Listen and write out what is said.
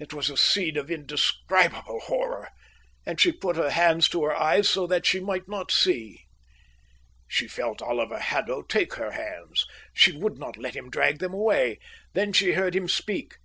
It was a scene of indescribable horror, and she put her hands to her eyes so that she might not see. She felt Oliver Haddo take her hands. She would not let him drag them away. Then she heard him speak.